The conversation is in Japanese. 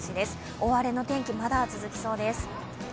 大荒れの天気、まだ続きそうです。